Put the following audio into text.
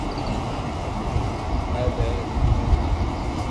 Ḥader iman-ik!